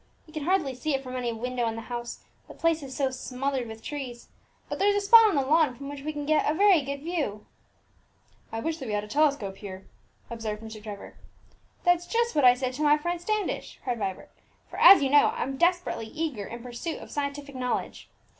We can hardly see it from any window in the house, the place is so smothered with trees; but there is a spot on the lawn from which we can get a very good view." "I wish that we had a telescope here," observed Mr. Trevor. "That's just what I said to my friend Standish," cried Vibert; "for, as you know, I'm desperately eager in pursuit of scientific knowledge.